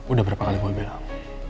udah berapa kali gue bilang